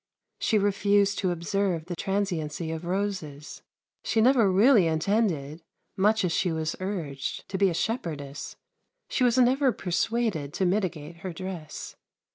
She refused to observe the transiency of roses; she never really intended much as she was urged to be a shepherdess; she was never persuaded to mitigate her dress.